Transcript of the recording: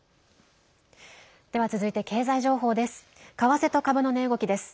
では、続いて経済情報です。